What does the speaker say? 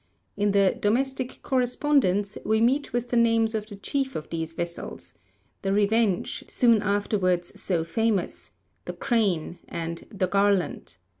In the Domestic Correspondence we meet with the names of the chief of these vessels, 'The Revenge,' soon afterwards so famous, 'The Crane,' and 'The Garland.'